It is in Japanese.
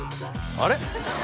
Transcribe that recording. あれ？